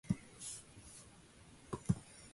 The colt then came fourth at the Ascot Gold Cup.